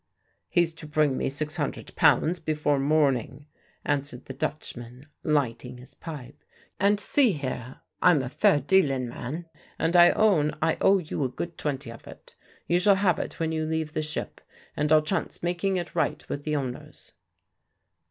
"He's to bring me six hundred pounds before morning," answered the Dutchman, lighting his pipe. "And see here I'm a fair dealin' man, and I own I owe you a good twenty of it. You shall have it when you leave the ship, and I'll chance making it right with the owners."